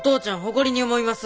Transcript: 誇りに思います。